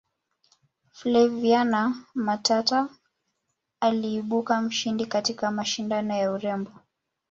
flaviana matata aliibuka mshindi katika mashindano ya urembo